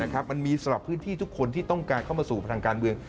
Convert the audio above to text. แต่ครับมันมีสำหรับพวกที่ทุกคนที่ต้องการเข้ามาสู่พระทางการเมือง